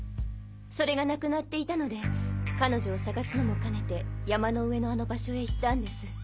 それが無くなっていたので彼女を捜すのも兼ねて山の上のあの場所へ行ったんです。